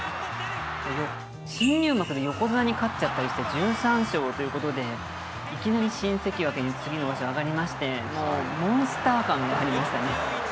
新入幕で横綱に勝っちゃったりして、１３勝ということで、いきなり新関脇に次の場所上がりまして、もうモンスター感がありましたね。